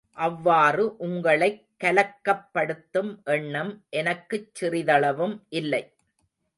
அவ்வாறு உங்களைக் கலக்கப்படுத்தும் எண்ணம் எனக்குச் சிறிதளவும் இல்லை.